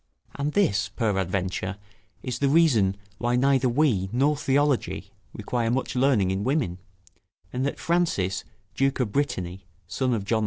] And this, peradventure, is the reason why neither we nor theology require much learning in women; and that Francis, Duke of Brittany, son of John V.